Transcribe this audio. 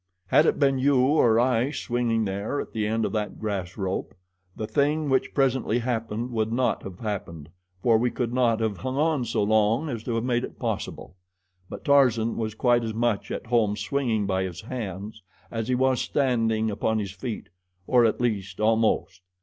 Had it been you or I swinging there at the end of that grass rope, the thing which presently happened would not have happened, for we could not have hung on so long as to have made it possible; but Tarzan was quite as much at home swinging by his hands as he was standing upon his feet, or, at least, almost.